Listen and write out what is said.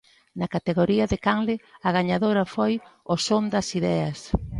Na categoría de Canle, a gañadora foi "O Son das ideas".